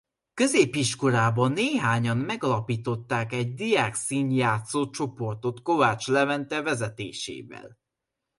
Középiskolában néhányan megalapítottak egy diákszínjátszó csoportot Kovács Levente vezetésével.